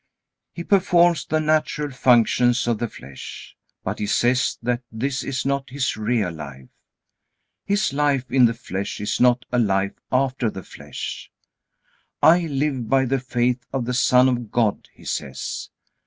He performs the natural functions of the flesh. But he says that this is not his real life. His life in the flesh is not a life after the flesh. "I live by the faith of the Son of God," he says.